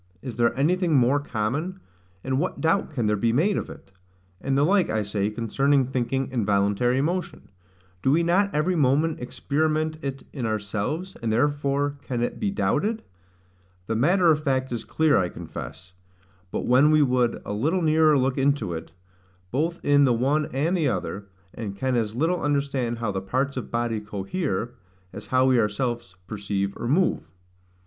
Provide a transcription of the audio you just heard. Is there anything more common? And what doubt can there be made of it? And the like, I say, concerning thinking and voluntary motion. Do we not every moment experiment it in ourselves, and therefore can it be doubted? The matter of fact is clear, I confess; but when we would a little nearer look into it, both in the one and the other; and can as little understand how the parts of body cohere, as how we ourselves perceive or move.